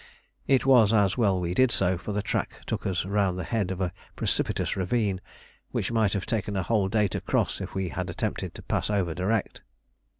It was as well we did so, for the track took us round the head of a precipitous ravine which might have taken a whole day to cross if we had attempted to pass over direct.